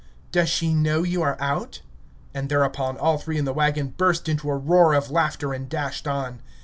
"Does she know you are out?" And thereupon all three in the wagon burst into a roar of laughter, and dashed on.